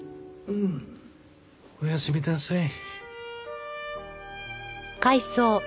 おやすみなさい。